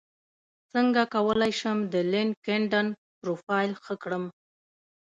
څنګه کولی شم د لینکیډن پروفایل ښه کړم